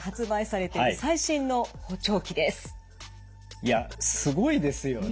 いやすごいですよね。